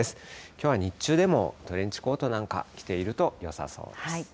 きょうは日中でもトレンチコートなんか着ているとよさそうです。